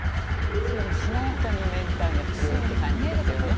それもしなやかにメンタルが強いって感じですよね。